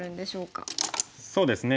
そうですね